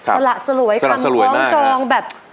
สละสลวยทำคล้องจองแบบ